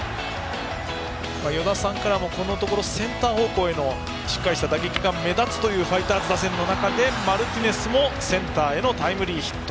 与田さんからもこのところセンター方向へのしっかりした打撃が目立つというファイターズ打線の中でマルティネスもセンターへのタイムリーヒット。